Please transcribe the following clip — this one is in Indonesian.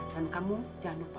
dan kamu jangan lupa